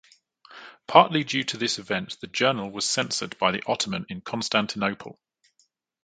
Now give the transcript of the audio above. Partly due to this event the journal was censored by the Ottoman in Constantinople.